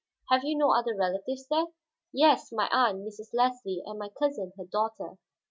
"Have you no other relatives there?" "Yes; my aunt, Mrs. Leslie, and my cousin, her daughter."